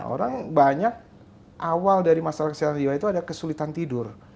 orang banyak awal dari masalah kesehatan jiwa itu ada kesulitan tidur